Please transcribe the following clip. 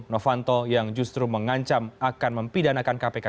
novanto yang justru mengancam akan mempidanakan kpk